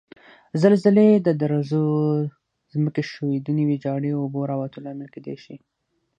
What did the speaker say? زلزلې د درزو، ځمکې ښویدنې، ویجاړي او اوبو راوتو لامل کېدای شي.